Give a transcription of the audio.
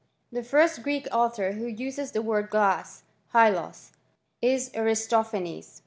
The first Greek author who usee word glass (voXoc, hyalos) is Aristophanes.